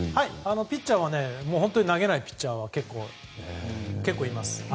ピッチャーは投げないピッチャーは結構います。